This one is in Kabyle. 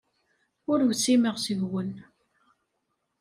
Ur usimeɣ seg-wen.